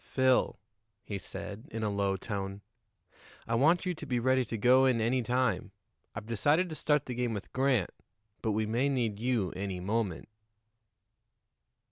"Phil," he said in a low tone, "I want you to be ready to go in any time. I've decided to start the game with Grant, but we may need you any moment."